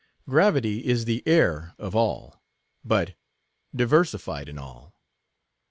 Gravity is the air of all; but, diversified in all.